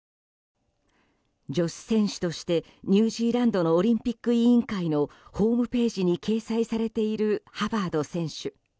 女子選手としてニュージーランドのオリンピック委員会のホームページに掲載されているハバード選手。